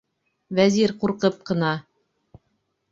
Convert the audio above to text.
Вәзир ҡурҡып ҡына: